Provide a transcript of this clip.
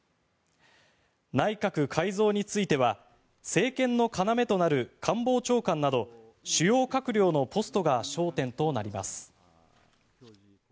内閣改造については政権の要となる官房長官など主要閣僚のポストが焦点となります。